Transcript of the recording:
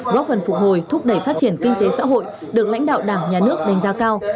góp phần phục hồi thúc đẩy phát triển kinh tế xã hội được lãnh đạo đảng nhà nước đánh giá cao